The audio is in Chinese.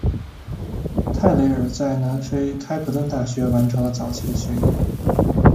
泰累尔在南非开普敦大学完成了早期的学业。